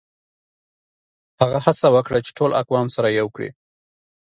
هغه هڅه وکړه چي ټول اقوام سره يو کړي.